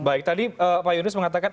baik tadi pak yunus mengatakan